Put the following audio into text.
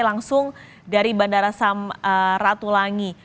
langsung dari bandara ratulangi